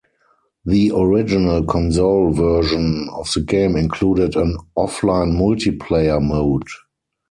The original console version of the game included an offline multiplayer mode.